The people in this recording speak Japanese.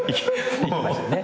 ・行きましたね。